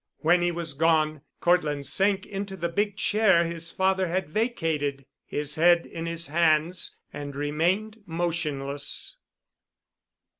When he was gone, Cortland sank into the big chair his father had vacated, his head in his hands, and remained motionless.